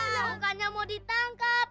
bukannya mau ditangkap